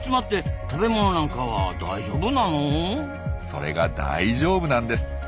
それが大丈夫なんです。